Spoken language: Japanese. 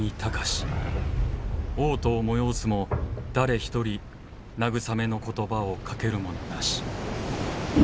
嘔吐を催すも誰一人慰めの言葉をかける者なし」。